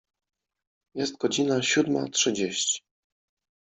Jest godzina siódma trzydzieści.